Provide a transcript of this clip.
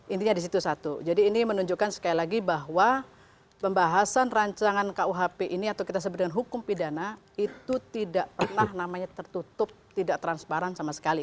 intinya di situ satu jadi ini menunjukkan sekali lagi bahwa pembahasan rancangan kuhp ini atau kita sebut dengan hukum pidana itu tidak pernah namanya tertutup tidak transparan sama sekali